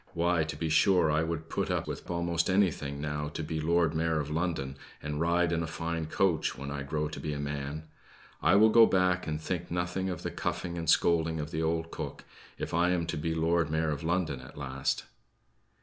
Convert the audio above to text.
"Why, to be sure I would put up with almost anything, now, to be Lord Mayor of London, and ride in a fine coach, when I grow to be a man! I will go back and think nothing of the cuffing and scolding of the old cook, if I am to be Lord Mayor of London at last."